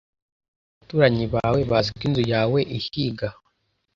Abaturanyi bawe bazi ko inzu yawe ihiga?